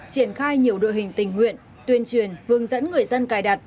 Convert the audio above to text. triển khai nhiều đội hình tình nguyện tuyên truyền hướng dẫn người dân cài đặt